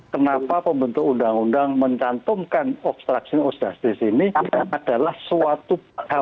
kenapa pembentuk undang undang mencantumkan obstruction of justice ini adalah suatu hal